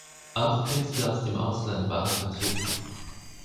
Auch Künstler aus dem Ausland waren vertreten.